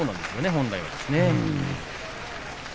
本来のですね。